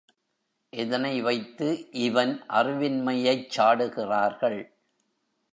எதனை வைத்து இவன் அறிவின்மையைச் சாடுகிறார்கள்?